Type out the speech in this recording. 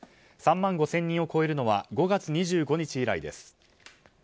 ３万５０００人を超えるのは５月２５日以来です。